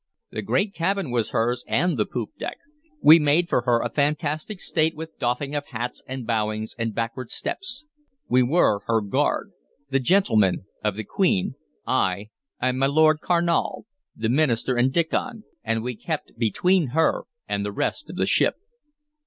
The great cabin was hers, and the poop deck; we made for her a fantastic state with doffing of hats and bowings and backward steps. We were her guard, the gentlemen of the Queen, I and my Lord Carnal, the minister and Diccon, and we kept between her and the rest of the ship.